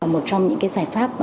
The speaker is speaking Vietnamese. một trong những giải pháp